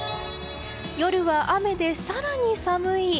夜は雨で更に寒い。